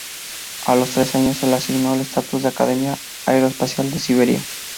A los tres años se le asignó el estatus de Academia Aeroespacial de Siberia.